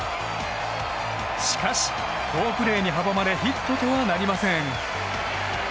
しかし、好プレーに阻まれヒットとはなりません。